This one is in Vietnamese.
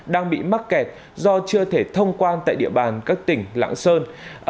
đang bị mắc kẹt do chưa thể thông quan tại địa bàn các tỉnh lạng sơn